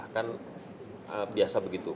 kan biasa begitu